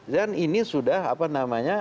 dan ini sudah apa namanya